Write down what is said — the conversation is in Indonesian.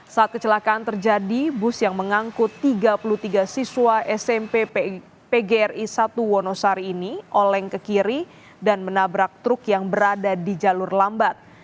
saat kecelakaan terjadi bus yang mengangkut tiga puluh tiga siswa smp pgri satu wonosari ini oleng ke kiri dan menabrak truk yang berada di jalur lambat